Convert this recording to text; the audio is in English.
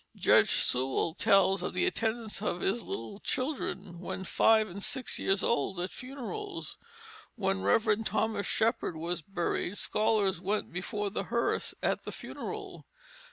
Judge Sewall tells of the attendance of his little children when five and six years old at funerals. When Rev. Thomas Shepherd was buried "scholars went before the Herse" at the funeral.